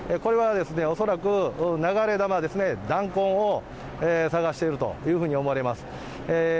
これは恐らく、流れ弾ですね、弾痕を捜しているというふうに思われます。